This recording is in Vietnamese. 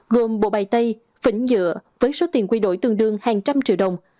gồm bộ bày tay phỉnh dựa với số tiền quy đổi tương đương hàng trăm triệu đồng